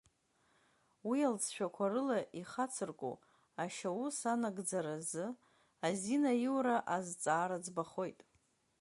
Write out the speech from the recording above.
Уи алҵшәақәа рыла ихацыркәу ашьаус анагӡаразы азин аиура азҵаара ӡбахоит.